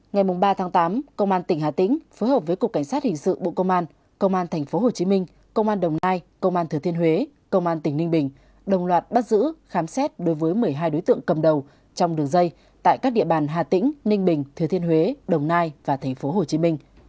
ngày ba tháng tám công an tỉnh hà tĩnh phối hợp với cục cảnh sát hình sự bộ công an công an tp hcm công an đồng nai công an thừa thiên huế công an tỉnh ninh bình đồng loạt bắt giữ khám xét đối với một mươi hai đối tượng cầm đầu trong đường dây tại các địa bàn hà tĩnh ninh bình thừa thiên huế đồng nai và tp hcm